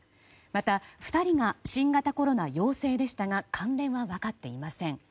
また、２人が新型コロナ陽性でしたが関連は分かっていません。